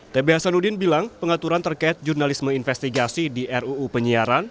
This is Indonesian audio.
tb hasanuddin bilang pengaturan terkait jurnalisme investigasi di ruu penyiaran